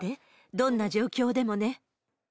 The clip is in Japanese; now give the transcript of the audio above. どんな状況でもね。